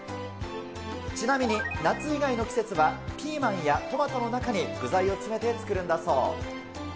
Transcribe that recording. ちなみに、夏以外の季節は、ピーマンやトマトの中に具材を詰めて作るんだそ